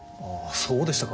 そうでしたか。